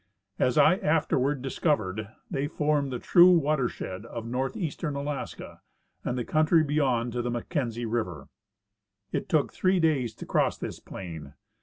As I afterward discovered, they form the true water shed of northeastern Alaska and the country beyond to Mackenzie river. It took three days to cross this plain.